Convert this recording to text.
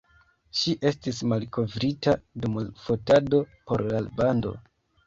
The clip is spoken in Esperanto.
Ŝi estis malkovrita dum fotado por la bando.